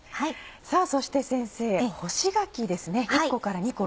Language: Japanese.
さぁそして先生干し柿ですね。